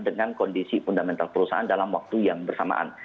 dengan kondisi fundamental perusahaan dalam waktu yang bersamaan